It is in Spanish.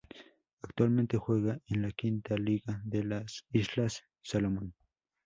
Actualmente juega en la S-League de las Islas Salomón.